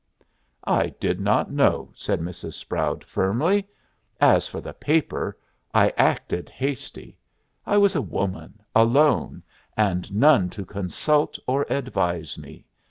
"I did not know," said Mrs. Sproud, firmly. "As for the paper, I acted hasty. I was a woman, alone, and none to consult or advise me.